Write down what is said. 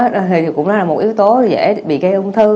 thì cũng là một yếu tố dễ bị gây ung thư